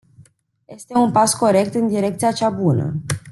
Este un pas corect în direcția cea bună.